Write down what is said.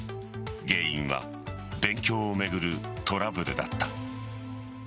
原因は勉強を巡るトラブルだった。